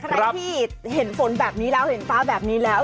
ใครที่เห็นฝนแบบนี้แล้วเห็นฟ้าแบบนี้แล้ว